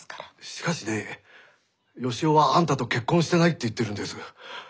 しかしね義雄はあんたと結婚してないって言ってるんです。